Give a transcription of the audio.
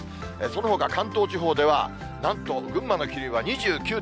そのほか、関東地方では、なんと群馬の桐生が２９．７度。